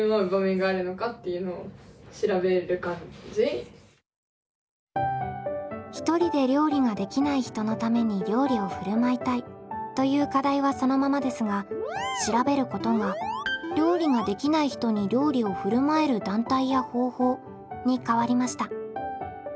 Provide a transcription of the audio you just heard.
ひとりで料理ができない人のために料理をふるまいたいという課題はそのままですが「調べること」が料理ができない人に料理をふるまえる団体や方法に変わりました。